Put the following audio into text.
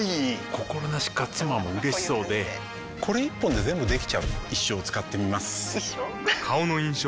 心なしか妻も嬉しそうでこれ一本で全部できちゃう一生使ってみます一生？